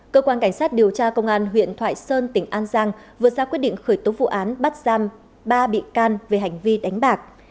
cơ quan cảnh sát điều tra công an huyện thoại sơn tỉnh an giang vừa ra quyết định khởi tố vụ án bắt giam ba bị can về hành vi đánh bạc